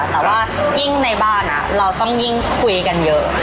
แต่ว่ายิ่งในบ้านเราต้องยิ่งคุยกันเยอะ